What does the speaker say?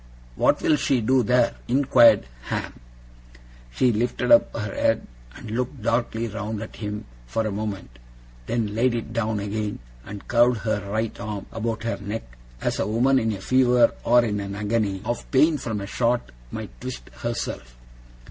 'What will she do there?' inquired Ham. She lifted up her head, and looked darkly round at him for a moment; then laid it down again, and curved her right arm about her neck, as a woman in a fever, or in an agony of pain from a shot, might twist herself.